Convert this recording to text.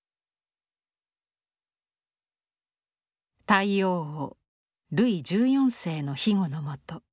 太陽王ルイ１４世の庇護のもと